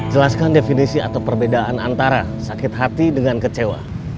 jelaskan definisi atau perbedaan antara sakit hati dengan kecewa